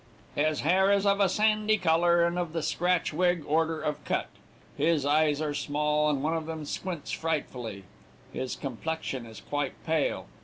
His hair is of a sandy color, and of the scratch wig order of cut. His eyes are small, and one of them squints frightfully. His complexion is quite pale.